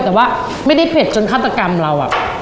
แต่ว่าไม่ได้เผ็ดจนฆาตกรรมเราอะ